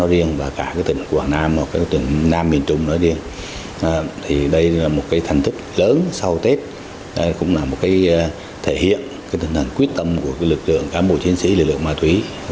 để đảm bảo an ninh thực tự